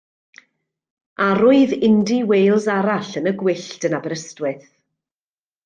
Arwydd indy Wales arall yn y gwyllt yn Aberystwyth.